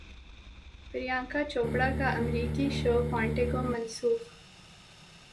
پریانکا چوپڑا کا امریکی show Quantico منسوخ